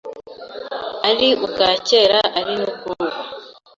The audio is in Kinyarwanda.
ari ubwa kera ari n’ubw’ubu.